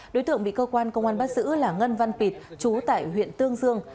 đối tượng bị cơ quan công an bắt giữ là ngân văn pịt chú tại huyện tương dương